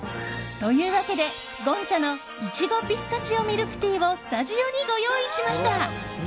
というわけで、ゴンチャのいちごピスタチオミルクティーをスタジオにご用意しました。